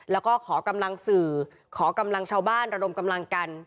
แล้วก็ขอกำลังสื่อขอกำลังชาวบ้านระดมกำลังกัน